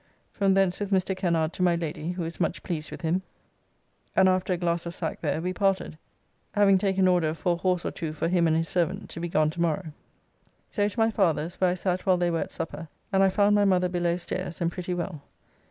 From thence with Mr. Kennard to my Lady who is much pleased with him, and after a glass of sack there; we parted, having taken order for a horse or two for him and his servant to be gone to morrow. So to my father's, where I sat while they were at supper, and I found my mother below, stairs and pretty well.